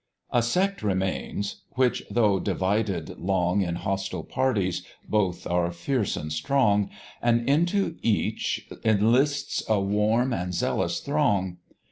A Sect remains, which, though divided long In hostile parties, both are fierce and strong, And into each enlists a warm and zealous throng.